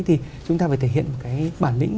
thì chúng ta phải thể hiện bản lĩnh